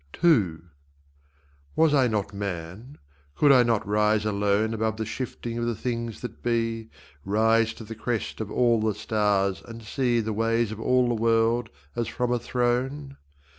II Was I not man? Could I not rise alone Above the shifting of the things that be, Rise to the crest of all the stars and see The ways of all the world as from a throne?